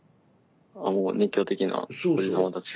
もう熱狂的なおじ様たちが。